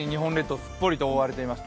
すっぽりと覆われていました。